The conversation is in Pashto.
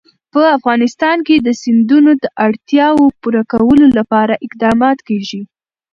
په افغانستان کې د سیندونه د اړتیاوو پوره کولو لپاره اقدامات کېږي.